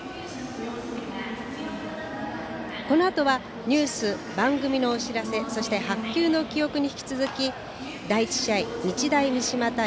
このあとはニュース、番組のお知らせそして白球の記憶に引き続き第１試合日大三島対